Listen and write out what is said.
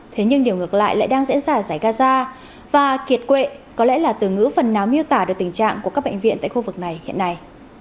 thế nhưng điều ngược lại lại đang diễn ra ở giải gaza và kiệt quệ có lẽ là từ ngữ phần náo miêu tả được tình trạng của các bệnh viện tại khu vực này hiện nay